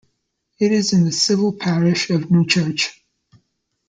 It is in the civil parish of Newchurch.